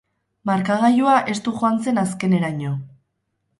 Markagailua estu joan zen azkeneraino.